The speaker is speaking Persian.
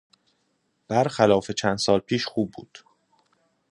بر خلاف چند سال پیش خوب بود.